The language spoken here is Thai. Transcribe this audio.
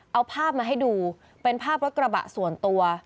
เอาภาพมาให้ดูเป็นภาพรถกระบะส่วนตัว